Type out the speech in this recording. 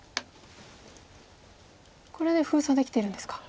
これで封鎖できてるんですか。